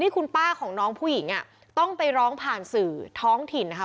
คุณป้าของน้องผู้หญิงต้องไปร้องผ่านสื่อท้องถิ่นนะคะ